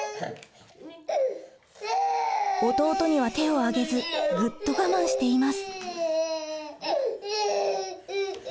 弟には手を上げずグッと我慢しています。